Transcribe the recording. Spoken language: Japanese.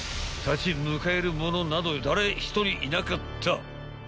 ［立ち向かえる者など誰一人いなかった］